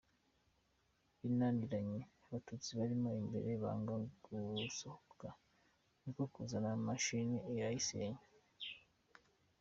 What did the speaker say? Binaniranye Abatutsi barimo imbere banga gusohoka niko kuzana imashini irayisenya.